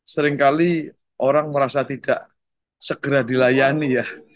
seringkali orang merasa tidak segera dilayani ya